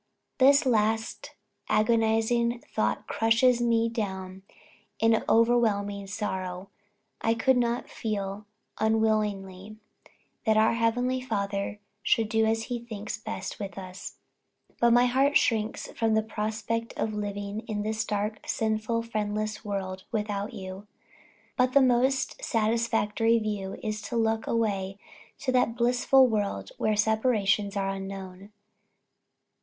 This last agonizing thought crushes me down in overwhelming sorrow. I hope I do not feel unwilling that our Heavenly Father should do as he thinks best with us; but my heart shrinks from the prospect of living in this dark, sinful, friendless world, without you.... But the most satisfactory view is to look away to that blissful world, where separations are unknown.